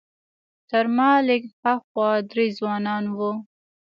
تر ما لږ ها خوا درې ځوانان وو.